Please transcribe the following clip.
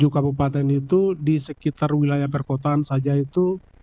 tujuh kabupaten itu di sekitar wilayah perkotaan saja itu